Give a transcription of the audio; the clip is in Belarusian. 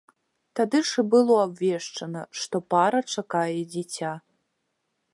Тады ж і было абвешчана, што пара чакае дзіця.